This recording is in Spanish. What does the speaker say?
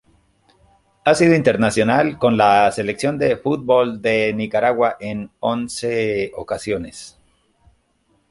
Ha sido internacional con la Selección de fútbol de Nicaragua en once ocasiones.